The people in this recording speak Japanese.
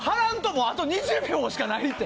もうあと２０秒しかないって。